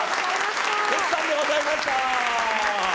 徹さんでございました。